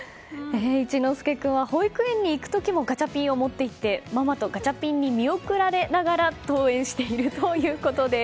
壱ノ助君は保育園に行く時もガチャピンを持って行ってママとガチャピンに見送られながら登園しているということです。